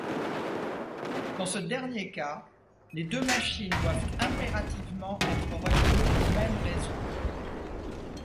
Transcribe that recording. Dans ce dernier cas, les deux machines doivent impérativement être reliées au même réseau.